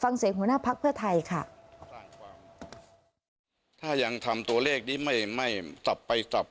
ฟังเสียหัวหน้าทางเผื่อไทย